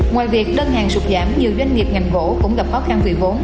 ngoài việc đơn hàng sụt giảm nhiều doanh nghiệp ngành vỗ cũng gặp khó khăn vì vốn